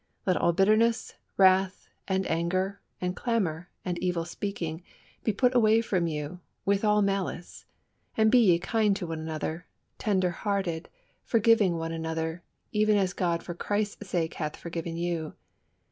Let all bitterness, and wrath, and anger, and clamour, and evil speaking, be put away from you, with all malice. And be ye kind one to another, tender hearted, forgiving one another, even as God for Christ's sake hath forgiven you.